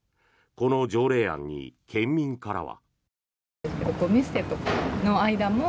この条例案に県民からは。